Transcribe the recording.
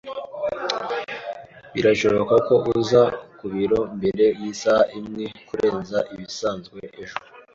Birashoboka ko uza ku biro mbere yisaha imwe kurenza ibisanzwe ejo?